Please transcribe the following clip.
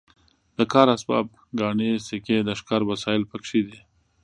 د کار اسباب ګاڼې سکې د ښکار وسایل پکې دي.